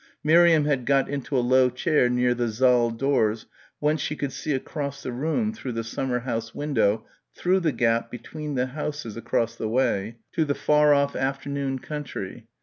Miriam had got into a low chair near the saal doors whence she could see across the room through the summer house window through the gap between the houses across the way to the far off afternoon country.